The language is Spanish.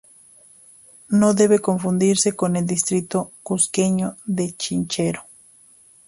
No debe confundirse con el distrito cusqueño de Chinchero.